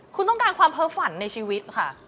คุณต้องการความเพ้อฝันในชีวิตค่ะ